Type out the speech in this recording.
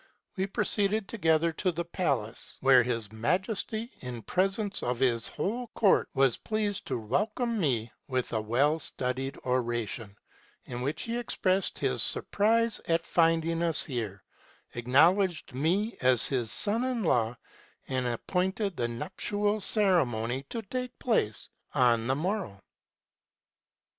We proceeded together to the palace, where his Majesty, in presence of his whole court, was pleased to welcome me with a well studied oration, in which he expressed his surprise at finding us here, acknowledged me as his son in law, and appointed the nuptial ceremony to take place on the morrow.